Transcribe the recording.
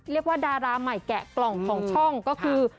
เรียกว่าดาราใหม่แกะกล่องของช่องก็คือ